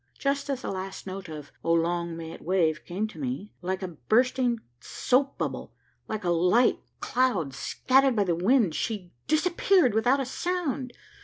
Just as the last note of 'Oh long may it wave' came to me, like a bursting soap bubble, like a light cloud scattered by the wind, she disappeared without a sound!